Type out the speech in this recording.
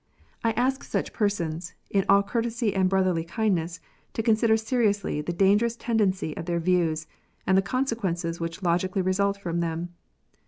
I ask such persons, in all courtesy and brotherly kindness, to consider seriously the dangerous tendency of their views, and the consequences which logically result from them.